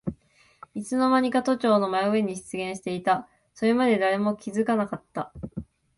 いつのまにか都庁の真上に出現していた。それまで誰も気づかなかった。